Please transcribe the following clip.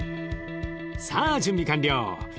さあ準備完了。